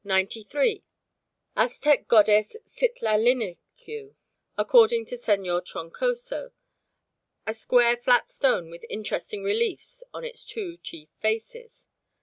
_Aztec Goddess Citlalinicue, according to Señor Troncoso. A square flat stone with interesting reliefs on its two chief faces.